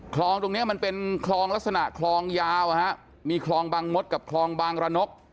ตรงเนี้ยมันเป็นคลองลักษณะคลองยาวมีคลองบางมดกับคลองบางระนก